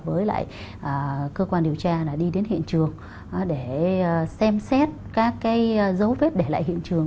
với cơ quan điều tra đi đến hiện trường để xem xét các dấu vết để lại hiện trường